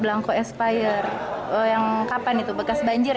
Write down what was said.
blanko expired yang kapan itu bekas banjir ya